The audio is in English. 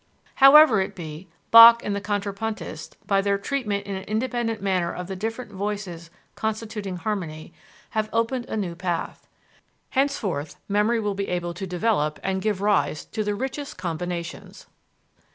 However it be, Bach and the contrapuntists, by their treatment in an independent manner of the different voices constituting harmony, have opened a new path. Henceforth melody will be able to develop and give rise to the richest combinations.